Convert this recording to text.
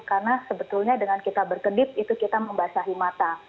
karena sebetulnya dengan kita berkedip itu kita membasahi mata